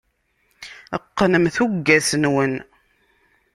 Qqnem tuggas-nwen.